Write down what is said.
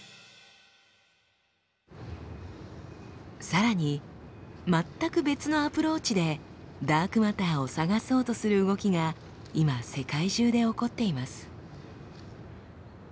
さらに全く別のアプローチでダークマターを探そうとする動きが今世界中で起こっています。